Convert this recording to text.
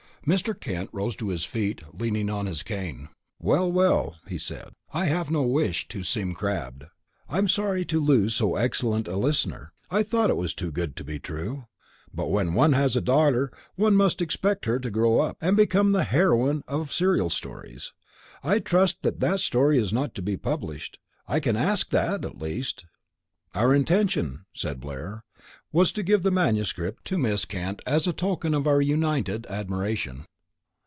Mr. Kent rose to his feet, leaning on his cane. "Well, well," he said, "I have no wish to seem crabbed. I'm sorry to lose so excellent a listener. I thought it was too good to be true! But when one has a daughter one must expect her to grow up, and become the heroine of serial stories. I trust that that story is not to be published I can ask that, at least!" "Our intention," said Blair, "was to give the manuscript to Miss Kent as a token of our united admiration."